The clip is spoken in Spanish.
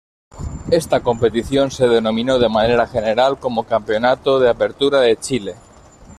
Esta competición se denominó de manera general como Campeonato de Apertura de Chile.